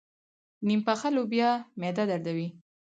نيم پخه لوبیا معده دردوي.